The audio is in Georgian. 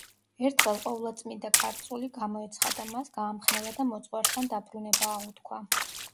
ერთხელ ყოვლადწმიდა ქალწული გამოეცხადა მას, გაამხნევა და მოძღვართან დაბრუნება აღუთქვა.